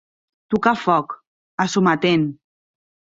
Tocar a foc, a sometent.